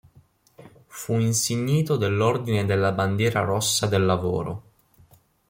Fu insignito dell’Ordine della Bandiera Rossa del Lavoro.